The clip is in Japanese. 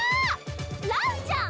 ランちゃん！